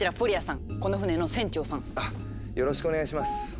あよろしくお願いします。